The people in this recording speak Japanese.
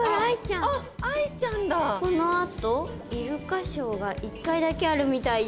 「このあとイルカショーが１回だけあるみたいよ」。